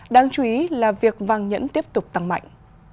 đáng chú ý là việc vàng nhẫn tiếp tục tăng mạnh